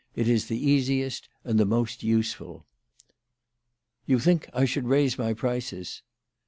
It is the easiest and the most useful." " You think I should raise my prices."